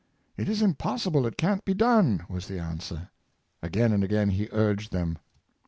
"It is impossible; it can't be done," was the answer. Again and again he urged them.